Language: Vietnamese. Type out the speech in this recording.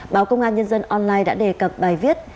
báo công an nhân dân online đã đề cập bài viết